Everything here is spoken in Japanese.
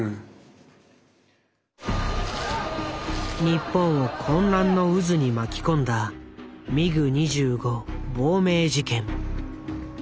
日本を混乱の渦に巻き込んだミグ２５亡命事件。